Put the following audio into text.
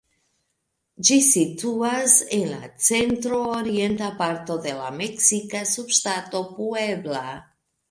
Ĝi situas en la centro-orienta parto de la meksika subŝtato Puebla.